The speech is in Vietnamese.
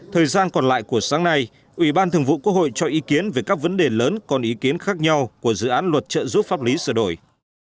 thời gian còn lại của sáng nay ủy ban thường vụ quốc hội cho ý kiến về các vấn đề lớn còn ý kiến khác nhau của dự án luật trợ giúp pháp lý sửa đổi